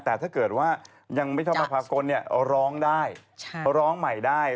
แต่ถ้าเกิดว่ายังไม่ชอบมาภากลร้องได้ร้องใหม่ได้